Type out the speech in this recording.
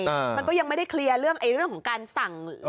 มันก็ยังไม่ได้เคลียร์เรื่องของการสั่ง